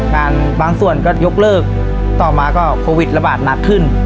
บางส่วนก็ยกเลิกต่อมาก็โควิดระบาดหนักขึ้น